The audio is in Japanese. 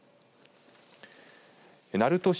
鳴門市